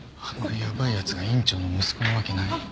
あんなヤバいやつが院長の息子なわけない。